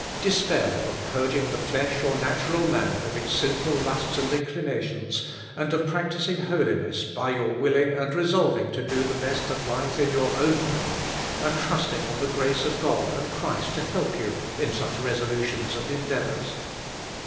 ^Despair of purging the flesh or natural man of its sinful lusts and inclinations, and of practising holi ness by your willing and resolving to do the best that lieth 171 your own potver^ and trusting on the grace of God and Christ to help you in such resolutions and endeavours.